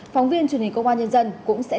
phóng viên truyền hình công an nhân dân cũng sẽ